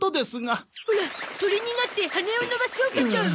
オラ鳥になって羽を伸ばそうかと。